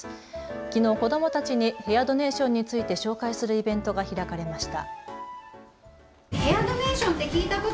きのう子どもたちにヘアドネーションについて紹介するイベントが開かれました。